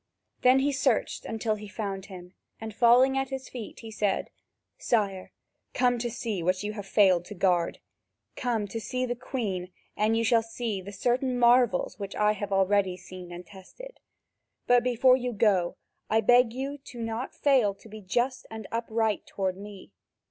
Then he searched until he found him, and failing at his feet, he said: "Sire, come to see what you have failed to guard. Come to see the Queen, and you shall see the certain marvels which I have already seen and tested. But, before you go, I beg you not to fail to be just and upright toward me.